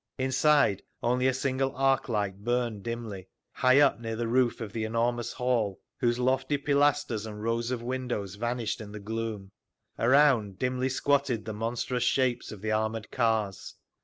Inside only a single arc light burned dimly, high up near the roof of the enormous hall, whose lofty pilasters and rows of windows vanished in the gloom. Around dimly squatted the monstrous shapes of the armoured cars.